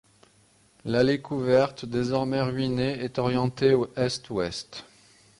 L'allée couverte, désormais ruinée, est orientée est-ouest.